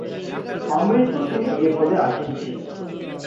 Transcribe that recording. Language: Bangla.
আমৃত্যু তিনি এ পদে আসীন ছিলেন।